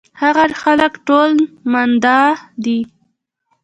هغه خلک ټول ماندۀ دي